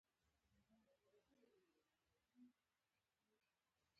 پاچا د خلکو غونده رابللې وه.